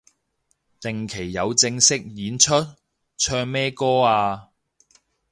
定期有正式演出？唱咩歌啊